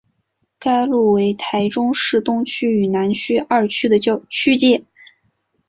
该路为台中市东区与南区二区的区界。